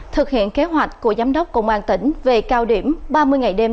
thực hiện kế hoạch của giám đốc công an tỉnh về cao điểm ba mươi ngày đêm